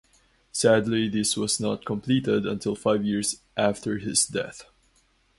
Sadly this was not completed until five years after his death.